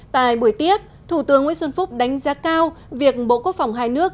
tại buổi tiếp thủ tướng nguyễn xuân phúc đánh giá cao việc bộ quốc phòng hai nước